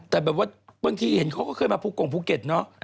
แต่แบบว่าบางทีเห็นเขาก็เคยมาภูกงภูเก็ตเนอะ